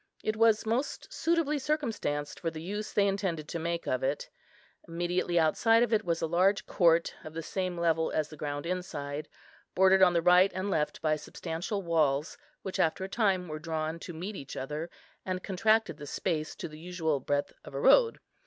It was most suitably circumstanced for the use they intended to make of it. Immediately outside of it was a large court of the same level as the ground inside, bordered on the right and left by substantial walls, which after a time were drawn to meet each other, and contracted the space to the usual breadth of a road.